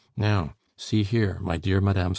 Now, see here, my dear Mme.